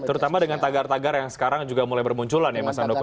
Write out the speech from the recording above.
terutama dengan tagar tagar yang sekarang juga mulai bermunculan ya mas andoko